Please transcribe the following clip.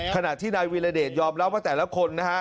ขณะที่นายวิรเดชยอมรับว่าแต่ละคนนะฮะ